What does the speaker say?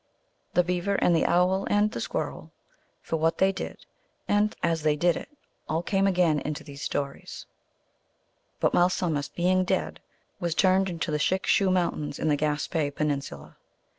The Beaver and the Owl and the Squirrel, for what they did and as they did it, all come again into these stories ; but Malsumsis, being dead, was turned into the Shick shoe mountains in the Gaspe* peninsula.